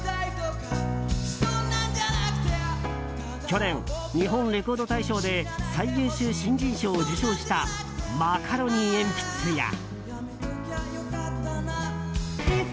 去年、日本レコード大賞で最優秀新人賞を受賞したマカロニえんぴつや。